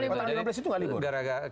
pada tahun lima belas itu nggak libur